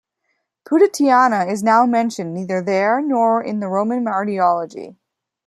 Pudentiana is now mentioned neither there nor in the Roman Martyrology.